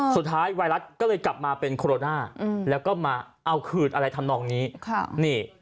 สุดท้ายไวรัสก็เลยกลับมาเป็นโคโรดาอืมแล้วก็มาเอาขืดอะไรทำนองนี้ค่ะนี่